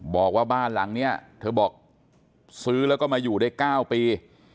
บอกว่าบ้านหลังนี้เธอบอกซื้อแล้วก็มาอยู่ได้๙ปี